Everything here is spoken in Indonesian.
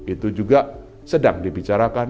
itu juga sedang dibicarakan